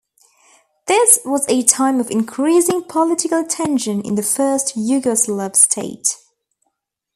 This was a time of increasing political tension in the first Yugoslav state.